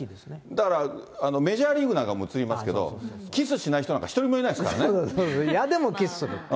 だからメジャーリーグなんかも映りますけど、キスしない人なそうそう、嫌でもキスする。